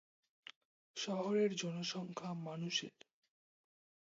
শহরের জনসংখ্যা মানুষের।